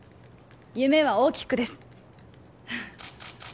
夢は大きくです